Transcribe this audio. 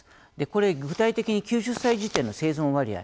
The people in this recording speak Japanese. これ具体的に９０歳時点の生存割合